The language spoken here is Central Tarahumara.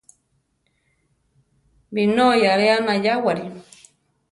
Binói aáre anayáwari.